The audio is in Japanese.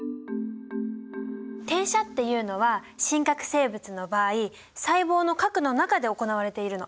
転写っていうのは真核生物の場合細胞の核の中で行われているの。